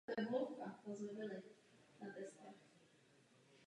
Tipse.